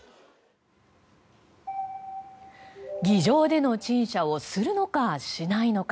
議場での陳謝をするのかしないのか。